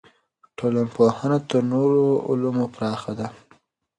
ټولنپوهنه تر نورو علومو پراخه ده.